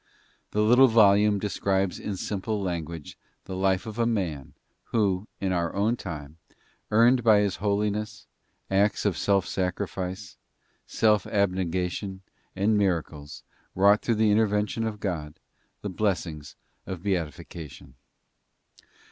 The little volume describes in simple language the life of a man, who, in our own time, earned by his holiness, acts of self sacrifice, self abnegation and miracles, wrought through the intervention of God, the blessings of beatification.